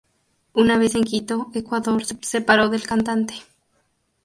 Una vez en Quito, Ecuador, se separó del cantante.